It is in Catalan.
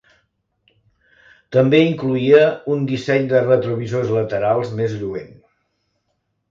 També incloïa un disseny de retrovisors laterals més lluent.